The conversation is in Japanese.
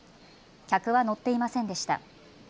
客は乗っていませんでした。